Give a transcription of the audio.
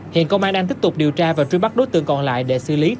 hiện công an đang tiếp tục điều tra và truy bắt đối tượng còn lại để xử lý theo quy định